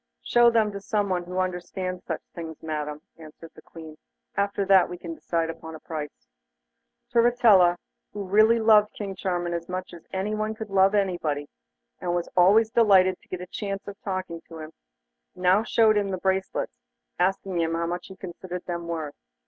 'Show them to someone who understands such things, Madam,' answered the Queen; 'after that we can decide upon the price.' Turritella, who really loved King Charming as much as she could love anybody, and was always delighted to get a chance of talking to him, now showed him the bracelets, asking how much he considered them worth.